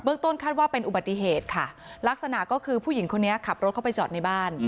ต้นคาดว่าเป็นอุบัติเหตุค่ะลักษณะก็คือผู้หญิงคนนี้ขับรถเข้าไปจอดในบ้าน